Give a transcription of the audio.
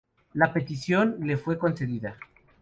La petición le fue concedida.